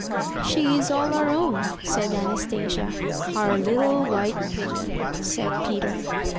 *'She is all our own,'' said Anastasia. "Our little white pigeon,'' said Peter.